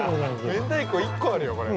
◆明太子１個あるよ、これ。